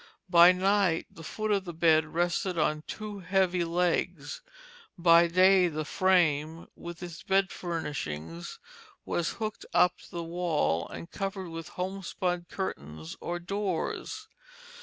By night the foot of the bed rested on two heavy legs; by day the frame with its bed furnishings was hooked up to the wall, and covered with homespun curtains or doors.